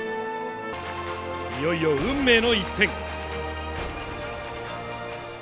いよいよ運命の一戦。